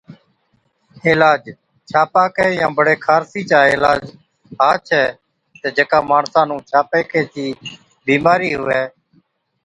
عِلاج، ڇاپاڪي يان بڙي خارسِي چا عِلاج ها ڇَي تہ جڪا ماڻسا نُون ڇاپاڪي چِي بِيمارِي هُوَي